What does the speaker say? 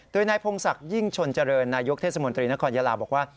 โดยนายพงศักดิ์ยิ่งชนเจริญนายกเทศมนตรีนครยาลาบอกว่า